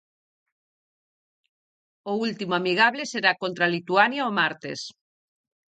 O último amigable será contra Lituania o martes.